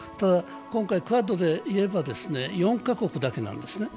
今回クアッドで言えば、４か国だけなんですね。